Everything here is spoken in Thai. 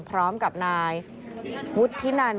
พร้อมกับนายวุฒินัน